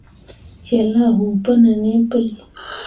Celle a huu pu nin hi puli.